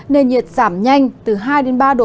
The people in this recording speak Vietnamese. nền nhiệt giảm nhanh từ hai đến ba độ